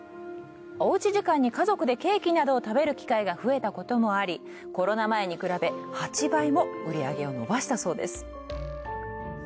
おうち時間に家族でケーキなどを食べる機会が増えたこともありコロナ前に比べ８倍も売り上げを伸ばしたそうです。